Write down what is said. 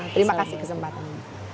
terima kasih kesempatan